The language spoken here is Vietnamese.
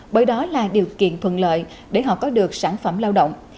bởi đó là điều kiện thuận lợi để họ có được sản phẩm lao động